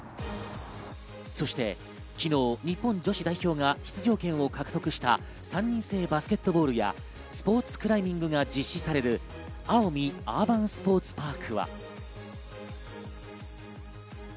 そして昨日、日本女子代表が出場権を獲得した３人制バスケットボールや、スポーツクライミングが実施される青海アーバンスポーツパークは。